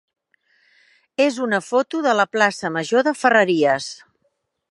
és una foto de la plaça major de Ferreries.